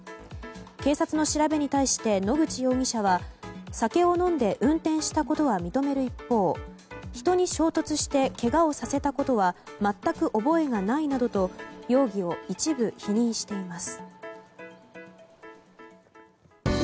警察の調べに対して野口容疑者は酒を飲んで運転したことは認める一方人に衝突してけがをさせたことは全く覚えがないなどと容疑を一部否認しています。